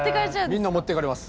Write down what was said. みんな持ってかれます。